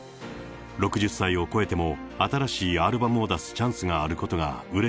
６０歳を超えても新しいアルバムを出すチャンスがあることがうれ